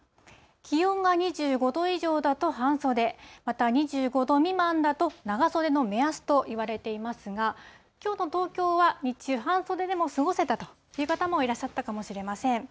気温が２５度以上だと半袖、また２５度未満だと長袖の目安といわれていますが、きょうの東京は日中、半袖でも過ごせたという方もいらっしゃったかもしれません。